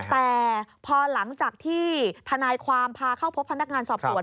แต่พอหลังจากที่ทนายความพาเข้าพบพนักงานสอบสวน